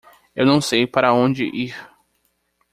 Eu não sei para onde ir.